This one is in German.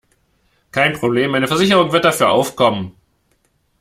Kein Problem, meine Versicherung wird dafür aufkommen.